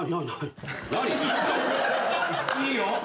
・いいよ！